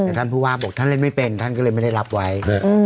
แต่ท่านผู้ว่าบอกท่านเล่นไม่เป็นท่านก็เลยไม่ได้รับไว้